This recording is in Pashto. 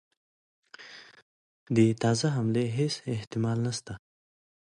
د تازه حملې هیڅ احتمال نسته.